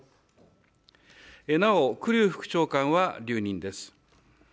なお栗生副長官は留任です。